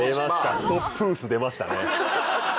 ストップース出ましたね。